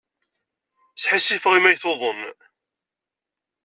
Sḥissifeɣ imi ay tuḍen.